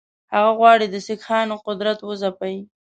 هغه غواړي د سیکهانو قدرت وځپي.